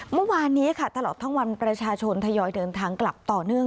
เมื่อวานนี้ค่ะตลอดทั้งวันประชาชนทยอยเดินทางกลับต่อเนื่อง